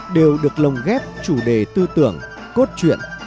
đều được lồng ghép chủ đề tư tưởng cốt truyện